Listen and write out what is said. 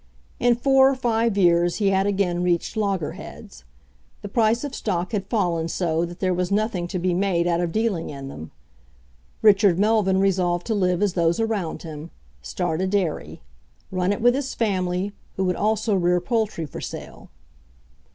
In four or five years he had again reached loggerheads. The price of stock had fallen so that there was nothing to be made out of dealing in them. Richard Melvyn resolved to live as those around him start a dairy; run it with his family, who would also rear poultry for sale.